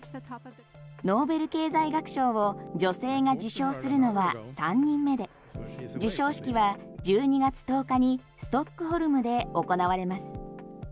ノーベル経済学賞を女性が受賞するのは３人目で授賞式は１２月１０日にストックホルムで行われます。